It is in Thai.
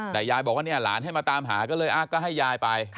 แต่ยายบอกว่าเนี่ยหลานให้มาตามหาก็เลยก็ให้ยายไป